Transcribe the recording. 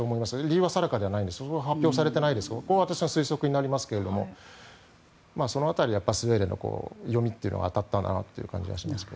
理由は定かではなく発表されていないので私の推測になりますがその辺りはスウェーデンの読みというのが当たったなという感じがします。